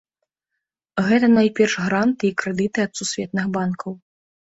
Гэта найперш гранты і крэдыты ад сусветных банкаў.